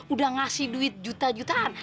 udah ngasih duit juta jutaan